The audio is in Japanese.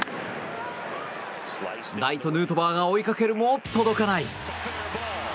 ライト、ヌートバーが追いかけるも届かない。